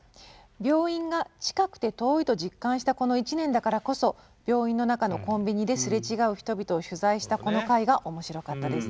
「病院が近くて遠いと実感したこの１年だからこそ病院の中のコンビニですれ違う人々を取材したこの回が面白かったです」。